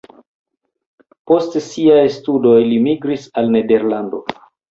Post siaj studoj li migris al Nederlando.